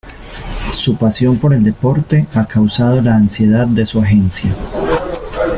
Su pasión por el deporte ha causado la ansiedad de su agencia.